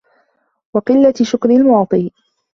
وَقِلَّةِ شُكْرِ الْمُعْطِي